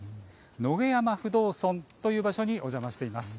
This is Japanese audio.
野毛山不動尊という場所にお邪魔しています。